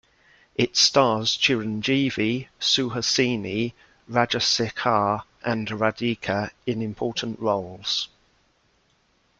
It stars Chiranjeevi, Suhasini, Rajasekhar, and Radhika in important roles.